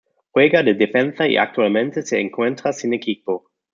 Juega de defensa y actualmente se encuentra sin equipo.